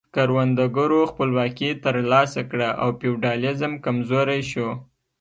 کروندګرو خپلواکي ترلاسه کړه او فیوډالیزم کمزوری شو.